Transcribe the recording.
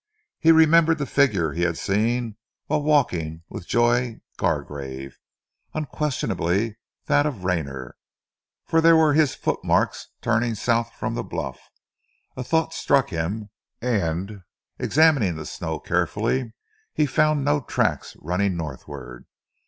He remembered the figure he had seen whilst walking with Joy Gargrave, unquestionably that of Rayner, for there were his footmarks turning south from the bluff. A thought struck him, and examining the snow carefully, he found no tracks running northward.